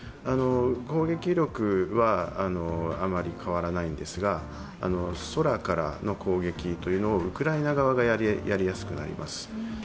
攻撃力はあまり変わらないんですが、空からの攻撃というのをウクライナ側がやりやすくなります。